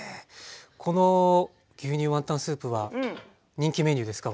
この牛乳ワンタンスープは人気メニューですか？